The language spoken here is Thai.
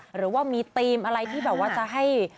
หรือว่ามีตีมที่จะให้